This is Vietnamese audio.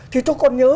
thì tớ còn nhớ